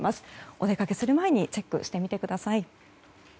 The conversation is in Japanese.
お出かけする前にチェックしてみてください。